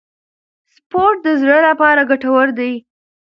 سپورت د زړه لپاره ګټور دی.